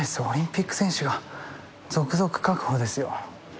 オリンピック選手が続々確保ですよ。